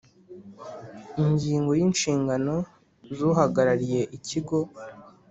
Ingingo ya inshingano z uhagarariye ikigo